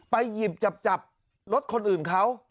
หยิบจับรถคนอื่นเขา